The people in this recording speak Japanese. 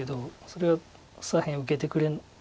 それは左辺受けてくれないです